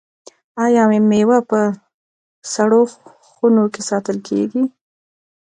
آیا میوه په سړو خونو کې ساتل کیږي؟